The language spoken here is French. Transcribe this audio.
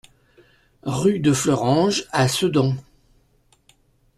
Rue de Fleuranges à Sedan